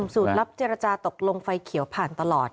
สูตรลับเจรจาตกลงไฟเขียวผ่านตลอด